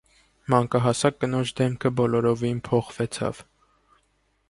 Մանկահասակ կնոջ դեմքը բոլորովին փոխվեցավ: